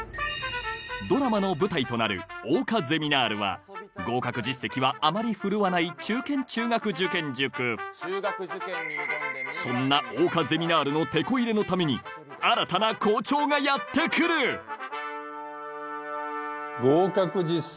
ドラマの舞台となる桜花ゼミナールは合格実績はあまり振るわない中堅中学受験塾そんな桜花ゼミナールのてこ入れのために新たな校長がやって来る合格実績